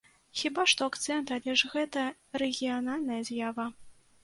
Хіба што акцэнт, але ж гэта рэгіянальная з'ява.